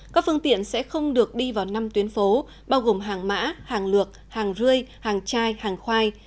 các phương tiện sẽ không được đi vào năm tuyến phố bao gồm hàng mã hàng lược hàng rươi hàng chai hàng khoai